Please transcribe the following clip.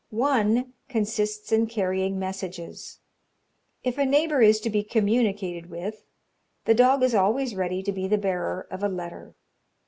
One consists in carrying messages. If a neighbour is to be communicated with, the dog is always ready to be the bearer of a letter.